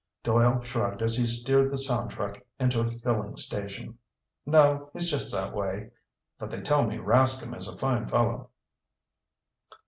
Doyle shrugged as he steered the sound truck into a filling station. "No, he's just that way. But they tell me Rascomb is a fine fellow."